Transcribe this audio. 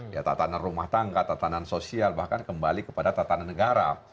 ya tatanan rumah tangga tatanan sosial bahkan kembali kepada tatanan negara